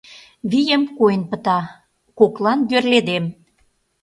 Вием койын пыта, коклан йӧрледем.